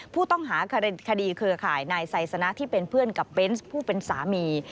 ผู้ต้องหาคดีเครือข่ายนายไซสนะที่เป็นเพื่อนกับเบนส์ผู้เป็นสามี